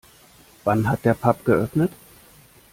Wann hat der Pub geöffnet?